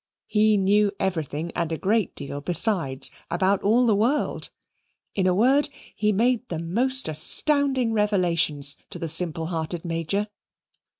He knew everything and a great deal besides, about all the world in a word, he made the most astounding revelations to the simple hearted Major.